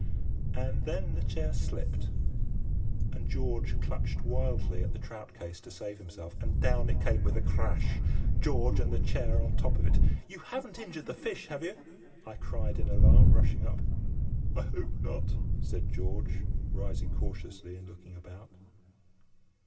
And then the chair slipped, and George clutched wildly at the trout case to save himself, and down it came with a crash, George and the chair on top of it. "You haven't injured the fish, have you?" I cried in alarm, rushing up. "I hope not," said George, rising cautiously and looking about.